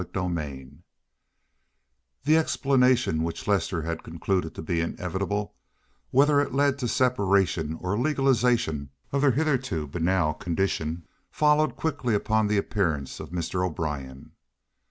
CHAPTER LIII The explanation which Lester had concluded to be inevitable, whether it led to separation or legalization of their hitherto banal condition, followed quickly upon the appearance of Mr. O'Brien.